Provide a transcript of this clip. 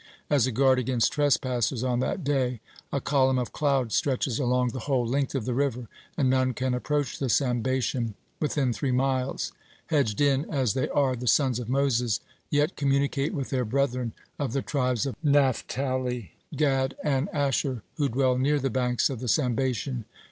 As a guard against trespassers on that day, a column of cloud stretches along the whole length of the river, and none can approach the Sambation within three miles. Hedged in as they are, the Sons of Moses yet communicate with their brethren of the tribes of Naphtali, Gad, and Asher, who dwell near the banks of the Sambation.